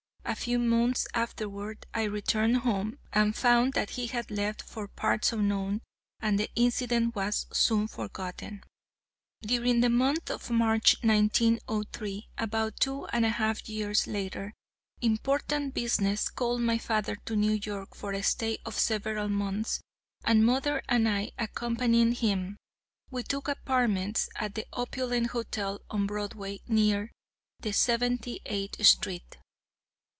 A few months afterward I returned home, and found that he had left for parts unknown, and the incident was soon forgotten. "'During the month of March, 1903, about two and a half years later, important business called my father to New York for a stay of several months, and mother and I, accompanying him, we took apartments at the Opulent Hotel, on Broadway, near Seventy eighth street.